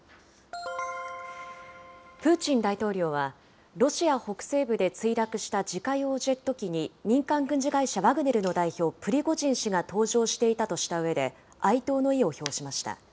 プーチン大統領は、ロシア北西部で墜落した自家用ジェット機に民間軍事会社、ワグネルの代表、プリゴジン氏が搭乗していたとしたうえで、哀悼の意を表しました。